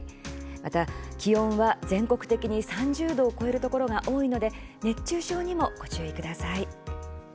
また気温は全国的に３０度を超えるところが多いので熱中症にもご注意ください。